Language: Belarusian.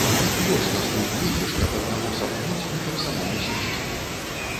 Як вош на струп лезеш, каб аднаго сапхнуць ды каб самому сесці.